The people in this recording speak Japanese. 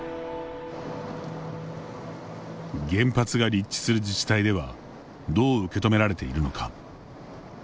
原発が立地する自治体ではどう受け止められているのか。